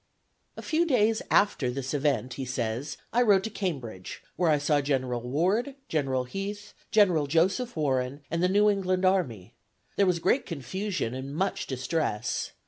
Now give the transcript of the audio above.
"A few days after this event," he says, "I rode to Cambridge, where I saw General Ward, General Heath, General Joseph Warren, and the New England army. There was great confusion and much distress.